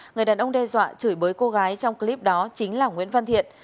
người đàn ông đe dọa chửi bới cô gái trong clip đó chính là nguyễn văn thiện